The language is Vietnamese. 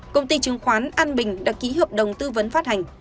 công ty chứng khoán an bình đã ký hợp đồng tư vấn phát hành